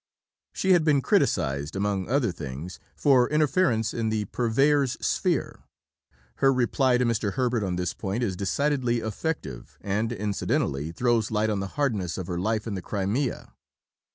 She had been criticized, among other things, for interference in the Purveyor's sphere. Her reply to Mr. Herbert on this point is decidedly effective, and incidentally throws light on the hardness of her life in the Crimea.